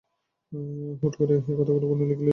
হুট করে এই কথাগুলি কেন লিখলেন নিজেই জানেন না।